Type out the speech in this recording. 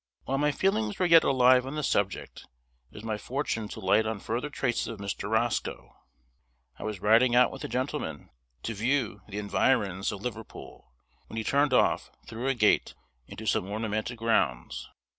While my feelings were yet alive on the subject, it was my fortune to light on further traces of Mr. Roscoe. I was riding out with a gentleman, to view the environs of Liverpool, when he turned off, through a gate, into some ornamented grounds.